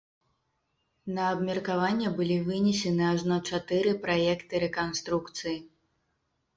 На абмеркаванне былі вынесены ажно чатыры праекты рэканструкцыі.